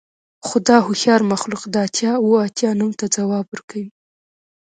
خو دا هوښیار مخلوق د اتیا اوه اتیا نوم ته ځواب ورکوي